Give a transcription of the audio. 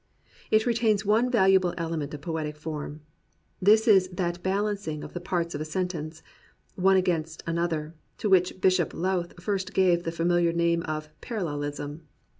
It retains one valuable element of poetic form. This is that balancing of the parts of a sentence, one against another, to which Bishop Lowth first gave the familiar name of "paralleKsm."